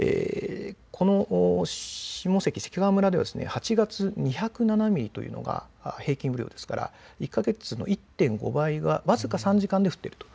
この下関関川村では８月２０７ミリというのが平均雨量ですからわずか３時間で２か月の１．５倍が降っている。